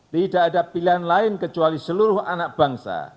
tidak ada pilihan lain kecuali seluruh anak bangsa